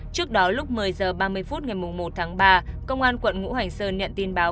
trước đó lúc một mươi h ba mươi phút ngày một tháng ba công an quận ngũ hành sơn nhận tin báo